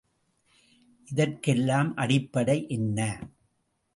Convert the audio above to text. இதற்கெல்லாம் அடிப்படை என்ன?